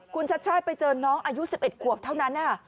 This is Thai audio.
คุณชัดชาติไปเจอน้องอายุ๑๑ขวบเท่านั้น